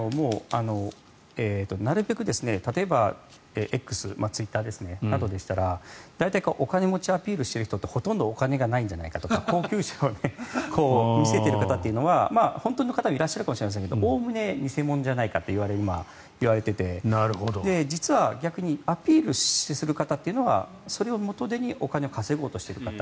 なるべく例えばＸ、ツイッターでしたら大体お金持ちアピールしてる人ってほとんどお金がないんじゃないかとか高級車を見せている方っていうのは本当の方もいらっしゃるかもしれませんがおおむね偽物じゃないかといわれていて実は、逆にアピールする方はそれを元手にお金を稼ごうとしている方。